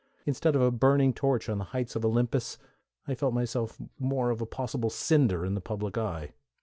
Instead of a burning torch on the heights of Olympus, I felt myself more of a possible cinder in the public eye.